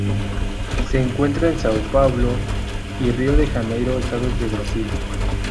Se encuentra en Sao Paulo y Río de Janeiro estados de Brasil.